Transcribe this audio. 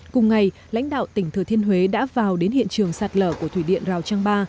cùng ngày lãnh đạo tỉnh thừa thiên huế đã vào đến hiện trường sạt lở của thủy điện rào trang ba